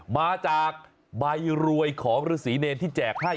มาจากใบรวยของฤษีเนรที่แจกให้